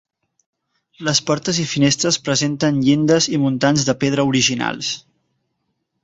Les portes i finestres presenten llindes i muntants de pedra originals.